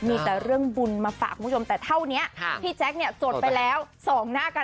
มีแต่เรื่องบุญมาฝากคุณผู้ชมแต่เท่านี้พี่แจ๊คเนี่ยจดไปแล้วส่องหน้ากัน